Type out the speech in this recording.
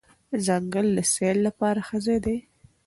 ځنګل د سیل لپاره ښه ځای دی.